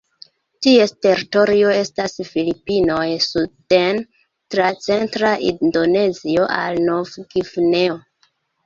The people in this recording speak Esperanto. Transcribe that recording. Ties teritorio estas Filipinoj suden tra centra Indonezio al Novgvineo.